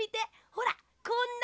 ほらこんなに。